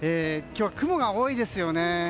今日は雲が多いですね。